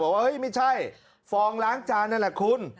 บอกว่าเฮ้ยไม่ใช่ฟองล้างจานนั้นคุณ